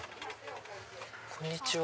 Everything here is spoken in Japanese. こんにちは。